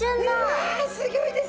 わあすギョいですよ。